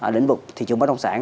đến vực thị trường bất động sản